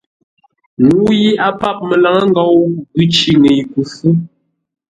Ŋuu yi a pap məlaŋə́ ngou ghʉ̌ cí ŋəɨ ku fú.